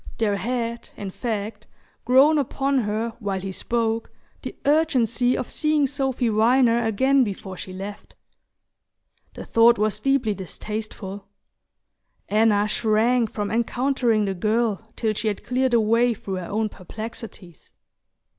There had, in fact, grown upon her while he spoke the urgency of seeing Sophy Viner again before she left. The thought was deeply distasteful: Anna shrank from encountering the girl till she had cleared a way through her own perplexities.